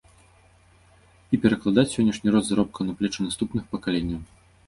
І перакладаць сённяшні рост заробкаў на плечы наступных пакаленняў.